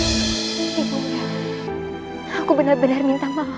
aku benar benar minta maaf